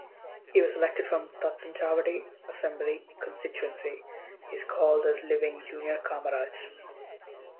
He was elected from Thattanchavady assembly constituency. He is called as living Junior Kamaraj.